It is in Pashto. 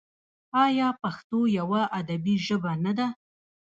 آیا پښتو یوه ادبي ژبه نه ده؟